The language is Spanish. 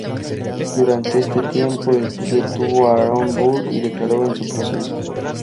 Durante este tiempo, detuvo a Aaron Burr y declaró en su proceso.